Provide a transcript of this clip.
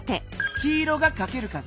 黄色がかける数。